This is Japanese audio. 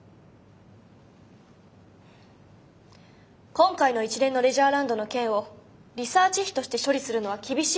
今回の一連のレジャーランドの件をリサーチ費として処理するのは厳しいかと。